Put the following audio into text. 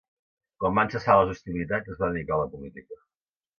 Quan van cessar les hostilitats, es va dedicar a la política.